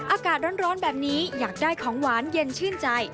อากาศร้อนแบบนี้อยากได้ของหวานเย็นชื่นใจ